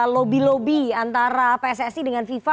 lobby lobi antara pssi dengan viva